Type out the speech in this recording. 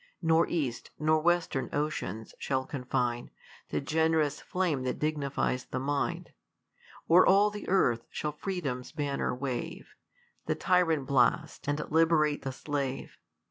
Nor east nor western oceans shall confine The generous flame that dignifies the mind ; O'er all the earth shall freedom's banner wave, The tyrant blast, and liberate the slave.